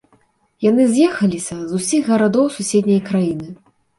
Яны з'ехаліся з усіх гарадоў суседняй краіны!